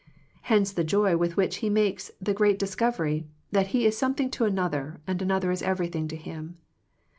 Hence the joy with which he makes the great discovery, that he is something to another and another is everything to him.